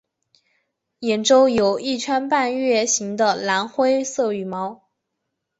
眼周有一圈半月形的亮灰色羽毛。